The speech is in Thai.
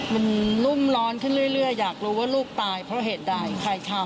มันรุ่มร้อนขึ้นเรื่อยอยากรู้ว่าลูกตายเพราะเหตุใดใครทำ